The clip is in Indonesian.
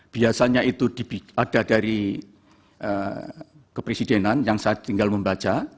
biasanya itu ada dari kepresidenan yang saya tinggal membaca